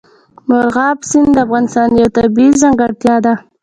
مورغاب سیند د افغانستان یوه طبیعي ځانګړتیا ده.